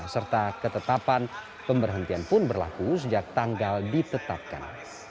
serta ketetapan pemberhentian pun berlaku sejak tanggal ditetapkan